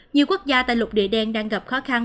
nhiều quốc gia tại lục địa đen đang gặp khó khăn